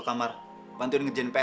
farmers orangtanya yang ikut n tying aku